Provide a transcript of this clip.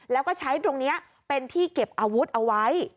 แล้วก็ใช้ตรงนี้เป็นที่เก็บอาวุธเอาไว้